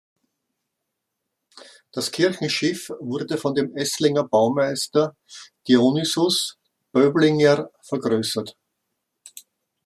Das Kirchenschiff wurde von dem Esslinger Baumeister Dionysius Böblinger vergrößert.